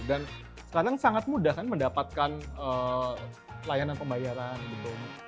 dan sekarang sangat mudah kan mendapatkan layanan pembayaran gitu